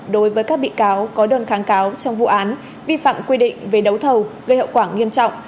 đối với các bị cáo có đơn kháng cáo trong vụ án vi phạm quy định về đấu thầu gây hậu quả nghiêm trọng